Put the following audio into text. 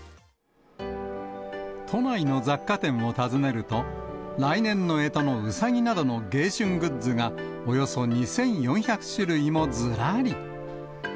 都内の雑貨店を訪ねると、来年のえとのうさぎなどの迎春グッズがおよそ２４００種類もずらり。